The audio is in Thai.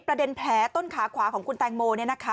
ประเด็นแผลต้นขาขวาของคุณแตงโม